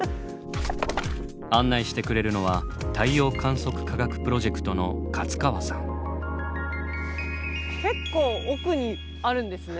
案内してくれるのは結構奥にあるんですね。